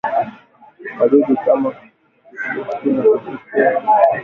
wadudu kama fukusi na vipepeo hushambulia viazi lishe